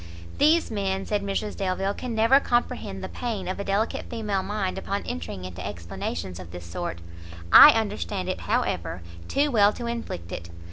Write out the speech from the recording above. "These men," said Mrs Delvile, "can never comprehend the pain of a delicate female mind upon entering into explanations of this sort: I understand it, however, too well to inflict it.